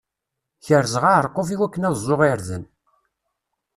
Kerzeɣ aɛerqub iwakken ad ẓẓuɣ irden.